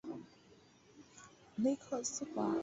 雷克斯弗尔。